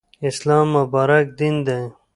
اسلام مبارک دین دی.